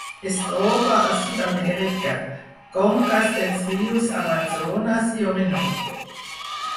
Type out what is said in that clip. Es troba a Sud-amèrica: conques dels rius Amazones i Orinoco.